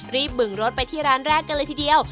บึงรถไปที่ร้านแรกกันเลยทีเดียว